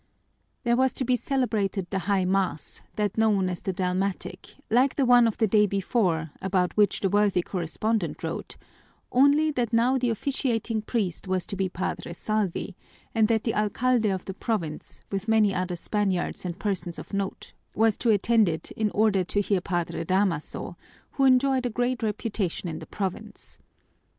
There was to be celebrated the high mass, that known as the dalmatic, like the one of the day before, about which the worthy correspondent wrote, only that now the officiating priest was to be Padre Salvi, and that the alcalde of the province, with many other Spaniards and persons of note, was to attend it in order to hear Padre Damaso, who enjoyed a great reputation in the province.